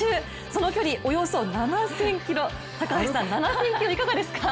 その距離およそ７０００ｋｍ高橋さん、いかがですか？